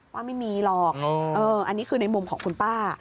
ป้าไม่มีหรอกอันนี้คือในมุมของคุณป้า